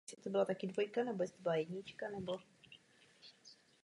Hänninen se propadl na šesté a Kopecký na deváté místo.